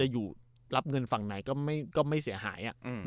อยู่รับเงินฝั่งไหนก็ไม่เสียหาย